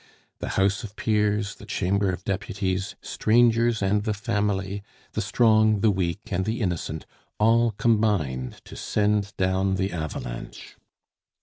The House of Peers, the Chamber of Deputies, strangers and the family, the strong, the weak, and the innocent, all combined to send down the avalanche.